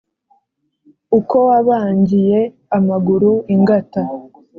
uko wabangiye amaguru ingata